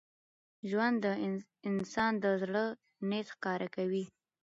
ژوند د انسان د زړه نیت ښکاره کوي.